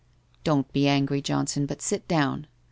' 'Don't be angry, Johnson, but sit down.